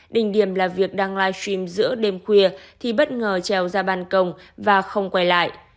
đình điểm là việc đang livestream giữa đêm khuya thì bất ngờ treo ra bàn công và không quay lại